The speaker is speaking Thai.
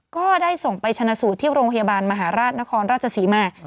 ก็ได้ส่งไปชนะสูตรที่โรงพยาบาลมหาราชนครราชศรีมา